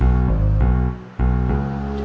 tete aku mau